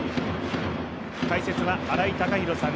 解説は新井貴浩さん